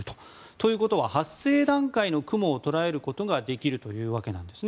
ということは発生段階の雲を捉えることができるわけなんです。